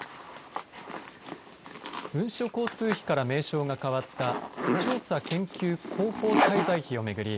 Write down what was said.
文書交通費から名称が変わった調査研究広報滞在費を巡り